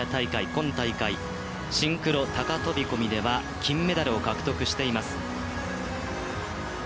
今大会、シンクロ高飛び込みでは金メダルを獲得しています。